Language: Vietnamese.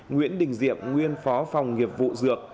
nguyễn đình diệp nguyên phó phòng nghiệp vụ dược